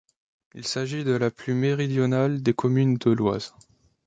Il s'agit de la plus méridionale des communes de l'Oise.